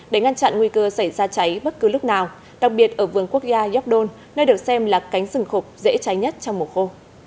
để ngăn chặn nguy cơ xảy ra cháy bất cứ lúc nào đặc biệt ở vườn quốc gia gióc đôn nơi được xem là cánh rừng khộp dễ cháy nhất trong mùa khô